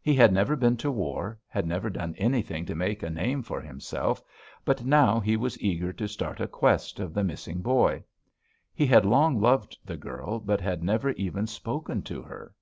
He had never been to war, had never done anything to make a name for himself, but now he was eager to start in quest of the missing boy. He had long loved the girl, but had never even spoken to her.